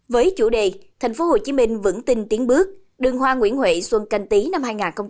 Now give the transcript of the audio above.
với chủ đề tp hcm vững tin tiến bước đường hoa nguyễn huệ xuân canh tí năm hai nghìn hai mươi